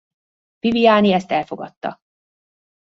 Viviani ezt elfogadta.